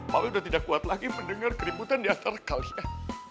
papi udah tidak kuat lagi mendengar keributan diantara kalian